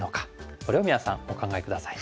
これを皆さんお考え下さい。